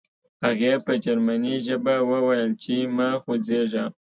هغې په جرمني ژبه وویل چې مه خوځېږه